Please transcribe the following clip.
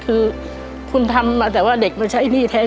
คือคุณทำมาแต่ว่าเด็กมาใช้หนี้แทน